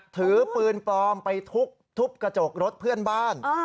ถือปืนปลอมไปทุบกระจกรถเพื่อนบ้าน